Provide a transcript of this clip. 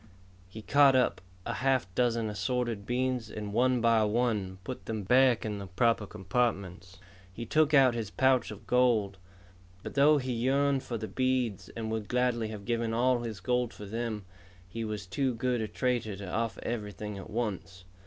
He caught up a half dozen assorted beads and one by one put them back in the proper compartments. He took out his pouch of gold. But though he yearned for the beads, and would gladly have given all his gold for them, he was too good a trader to offer everything at once.